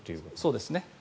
そうですね。